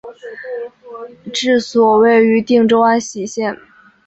治所位于定州安喜县。